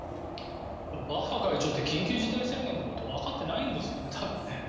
バッハ会長って緊急事態宣言のことをわかってないんですよね多分ね。